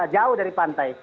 jauh dari pantai